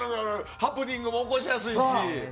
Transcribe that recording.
ハプニングも起こしやすいし。